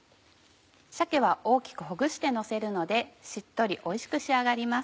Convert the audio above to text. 鮭は大きくほぐしてのせるのでしっとりおいしく仕上がります。